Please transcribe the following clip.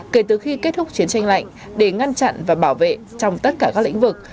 kể từ khi kết thúc chiến tranh lạnh để ngăn chặn và bảo vệ trong tất cả các lĩnh vực